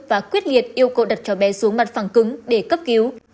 và quyết liệt yêu cầu đặt cho bé xuống mặt phẳng cứng để cấp cứu